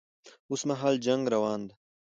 اوس مهال جنګ روان ده